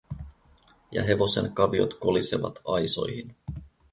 Ja hevosen kaviot kolisevat aisoihin.